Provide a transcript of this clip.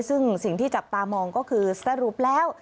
ซึ่งสิ่งที่จับตามองก็คือสรุปแล้ว